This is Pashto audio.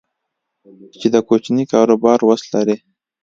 چې د کوچني کاروبار وس لري